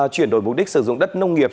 chuyển đổi mục đích sử dụng đất nông nghiệp